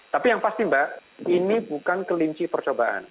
tapi yang pasti mbak ini bukan kelinci percobaan